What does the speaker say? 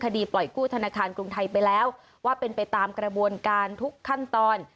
ปล่อยกู้ธนาคารกรุงไทยไปแล้วว่าเป็นไปตามกระบวนการทุกขั้นตอน